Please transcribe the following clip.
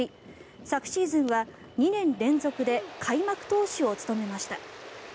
昨シーズンは２年連続で開幕投手を務めました。